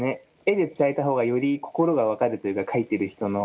絵で伝えた方がより心が分かるというか描いてる人の。